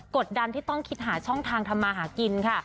ดดันที่ต้องคิดหาช่องทางทำมาหากินค่ะ